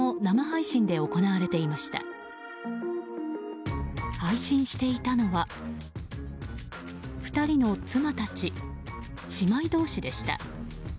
配信していたのは２人の妻たち姉妹同士でした。